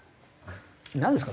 なんですか？